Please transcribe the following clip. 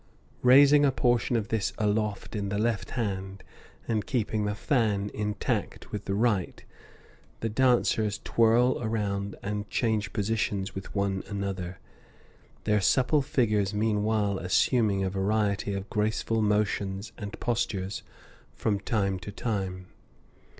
Raising a portion of this aloft in the left hand, and keeping the "fan" intact with the right, the dancers twirl around and change positions with one another, their supple figures meanwhile assuming a variety of graceful motions and postures from time to time.